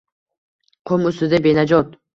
Qum ustida benajot.